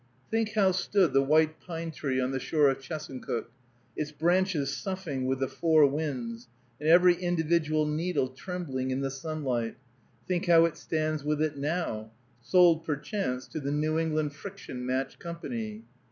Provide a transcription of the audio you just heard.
Think how stood the white pine tree on the shore of Chesuncook, its branches soughing with the four winds, and every individual needle trembling in the sunlight, think how it stands with it now, sold, perchance, to the New England Friction Match Company!